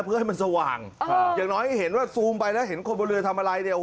เพื่อให้มันสว่างอย่างน้อยให้เห็นว่าซูมไปแล้วเห็นคนบนเรือทำอะไรเนี่ย